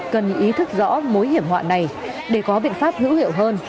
cần ý thức rõ mối hiểm họa này để có biện pháp hữu hiệu hơn